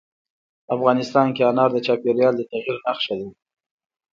افغانستان کې انار د چاپېریال د تغیر نښه ده.